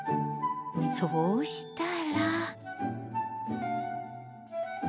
そうしたら。